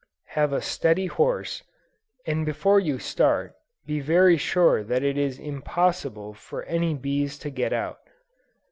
Have a steady horse, and before you start, be very sure that it is impossible for any bees to get out.